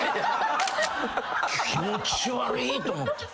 気持ち悪いと思った。